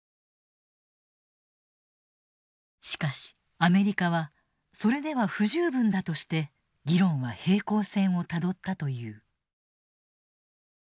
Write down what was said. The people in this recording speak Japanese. しかしアメリカはそれでは不十分だとして議論は平行線をたどったという。